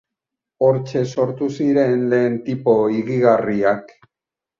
Hortxe sortu ziren lehen tipo higigarriak.